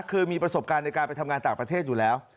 คือมีประสบการณ์ในการไปทำงานต่างประเทศอยู่แล้ว